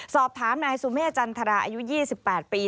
สอบถามนายสุเมฆจันทราอายุ๒๘ปี